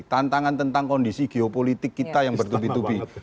tantangan tentang kondisi geopolitik kita yang bertubi tubi